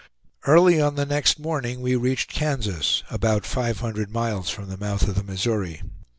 Early on the next morning we reached Kansas, about five hundred miles from the mouth of the Missouri.